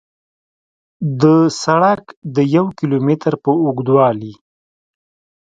د سړک د یو کیلو متر په اوږدوالي